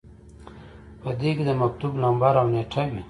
په دې کې د مکتوب نمبر او نیټه وي.